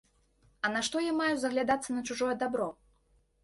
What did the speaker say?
А нашто я маю заглядацца на чужое дабро?